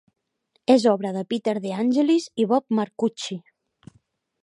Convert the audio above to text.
És obra de Peter De Angelis i Bob Marcucci.